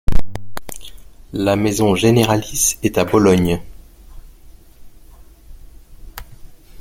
La maison généralice est à Bologne.